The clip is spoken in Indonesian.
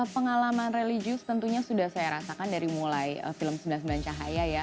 pengalaman religius tentunya sudah saya rasakan dari mulai film sembilan puluh sembilan cahaya ya